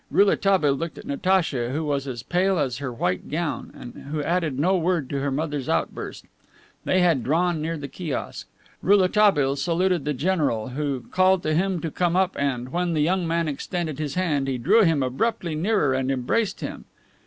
Rouletabille looked at Natacha, who was as pale as her white gown, and who added no word to her mother's outburst. They had drawn near the kiosk. Rouletabille saluted the general, who called to him to come up and, when the young man extended his hand, he drew him abruptly nearer and embraced him.